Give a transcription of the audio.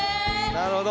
なるほど。